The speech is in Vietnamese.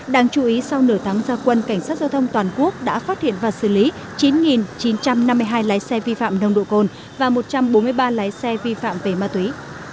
đáng chú ý sau nửa tháng gia quân cảnh sát giao thông toàn quốc đã phát hiện và xử lý chín chín trăm năm mươi hai lái xe vi phạm nồng độ cồn và một trăm bốn mươi ba lái xe vi phạm về ma túy